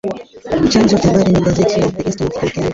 Chanzo cha habari hii ni gazeti la The East African, Kenya